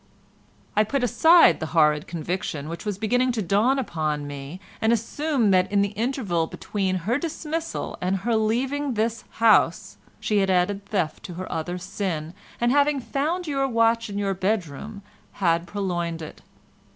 "I put aside the horrid conviction which was beginning to dawn upon me, and assumed that in the interval between her dismissal and her leaving this house, she had added theft to her other sin, and having found your watch in your bedroom had purloined it.